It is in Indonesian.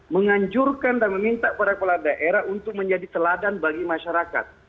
menganjurkan dan meminta para kepala daerah untuk menjadi teladan bagi masyarakat